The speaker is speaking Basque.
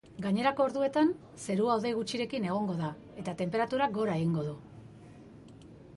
Gainerako orduetan, zerua hodei gutxirekin egongo da eta tenperaturak gora egingo du.